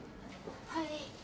はい。